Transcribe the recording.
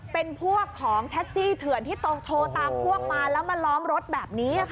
เป็นพวกของแท็กซี่เถื่อนที่ตรงโทรตามพวกมาแล้วมาล้อมรถแบบนี้ค่ะ